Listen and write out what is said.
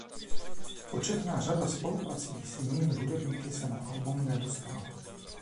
Početná řada spoluprací s jinými hudebníky se na album nedostala.